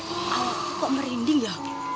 alat pokok merinding ya